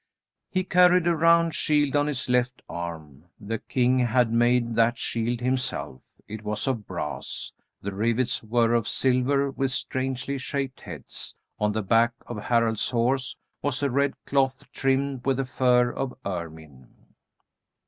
He carried a round shield on his left arm. The king had made that shield himself. It was of brass. The rivets were of silver, with strangely shaped heads. On the back of Harald's horse was a red cloth trimmed with the fur of ermine.